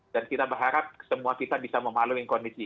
dan kita berharap semua kita bisa memahami kondisi